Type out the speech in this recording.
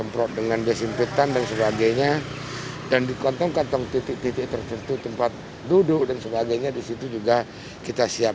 penduduk yang masuk